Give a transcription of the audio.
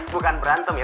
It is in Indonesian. bukan berantem ya